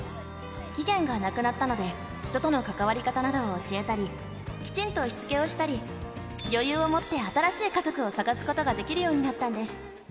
期限がなくなったので、人との関わり方などを教えたり、きちんとしつけをしたり、余裕を持って新しい家族を探すことができるようになったんです。